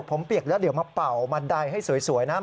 ผมเปียกแล้วเดี๋ยวมาเป่าบันไดให้สวยนะ